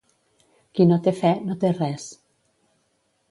Qui no té fe, no té res.